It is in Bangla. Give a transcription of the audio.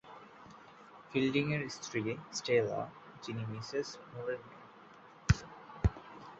ফিল্ডিংয়ের স্ত্রী স্টেলা, যিনি মিসেস মুরের মেয়ে।